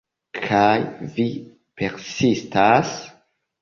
Kaj vi persistas?